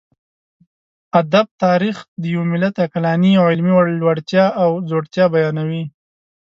ادب تاريخ د يوه ملت عقلاني او علمي لوړتيا او ځوړتيا بيانوي.